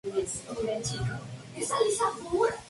Cofundador de la revista "Liza", de Arcos de la Frontera.